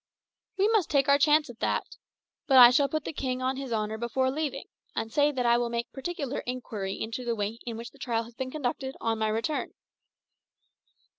"We must take our chance of that. But I shall put the king on his honour before leaving, and say that I will make particular inquiry into the way in which the trial has been conducted on my return."